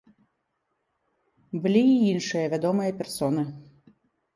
Былі і іншыя вядомыя персоны.